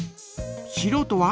しろうとは？